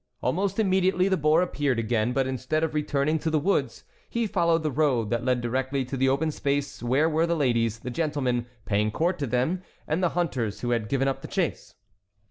Almost immediately the boar appeared again, but instead of returning to the woods, he followed the road that led directly to the open space where were the ladies, the gentlemen paying court to them, and the hunters who had given up the chase.